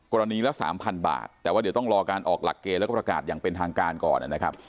ละ๓๐๐บาทแต่ว่าเดี๋ยวต้องรอการออกหลักเกณฑ์แล้วก็ประกาศอย่างเป็นทางการก่อนนะครับ